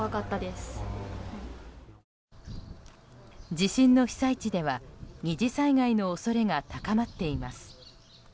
地震の被災地では２次災害の恐れが高まっています。